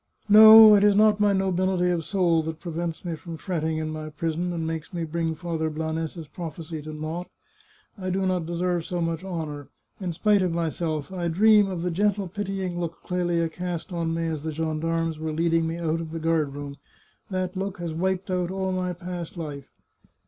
" No, it is not my nobility of soul that prevents me from fretting in my prison, and makes me bring Father Blanes's prophecy to naught. I do not deserve so much honour. In spite of myself, I dream of the gentle pitying look Clelia cast on me as the gendarmes were leading me out of the 336 The Chartreuse of Parma guard room — that look has wiped out all my past life